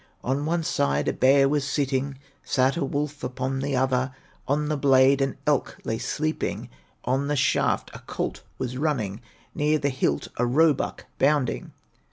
On one side a bear was sitting, Sat a wolf upon the other, On the blade an elk lay sleeping, On the shaft a colt was running, Near the hilt a roebuck bounding.